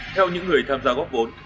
theo những người tham gia góp vốn